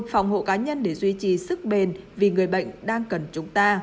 phòng hộ cá nhân để duy trì sức bền vì người bệnh đang cần chúng ta